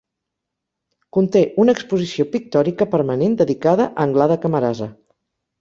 Conté una exposició pictòrica permanent dedicada a Anglada Camarasa.